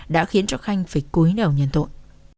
đã khiến cho khanh phải cúi đầu nhân tội